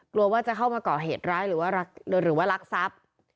กลัวว่าจะเข้ามาก่อเหตุร้ายหรือว่ารักทรัพย์